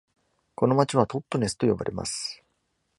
この町はトットネスと呼ばれます。